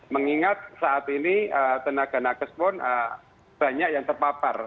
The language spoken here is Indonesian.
mengingat saat ini tenaga nakes pun banyak yang terpapar